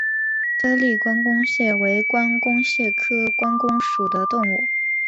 颗粒关公蟹为关公蟹科关公蟹属的动物。